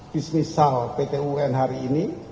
dismisal pt un hari ini